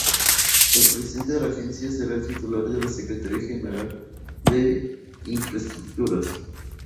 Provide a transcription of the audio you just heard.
El Presidente de la Agencia será el titular de la Secretaría General de Infraestructuras.